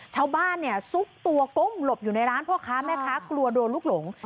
ชาวบ้านสุกตัวก้งหลบอยู่ในร้านเพราะกลัวโดนลูกหลง